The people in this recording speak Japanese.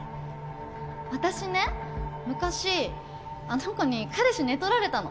私ね昔あの子に彼氏寝取られたの。